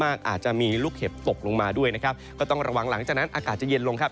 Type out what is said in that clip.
อาจจะมีลูกเห็บตกลงมาด้วยนะครับก็ต้องระวังหลังจากนั้นอากาศจะเย็นลงครับ